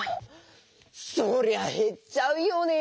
そりゃへっちゃうよね。